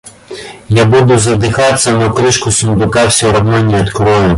Я буду задыхаться, но крышку сундука все равно не открою.